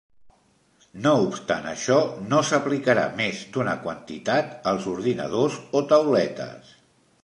No obstant això, no s’aplicarà més d’una quantitat als ordinadors o tauletes.